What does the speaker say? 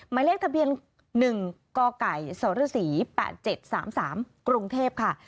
หมายเลขทะเบียน๑กไก่สรศ๘๗๓๓กรุงเทพค่ะ